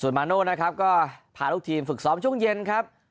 มาโน่นะครับก็พาลูกทีมฝึกซ้อมช่วงเย็นครับ